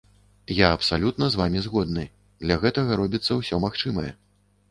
Я абсалютна з вамі згодны, для гэтага робіцца ўсё магчымае.